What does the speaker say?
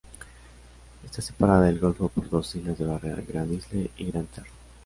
Está separada del golfo por dos islas de barrera, "Grand Isle" y "Grand Terre".